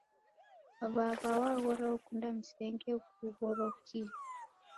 Wawa waghora okunda msenge ghughorokie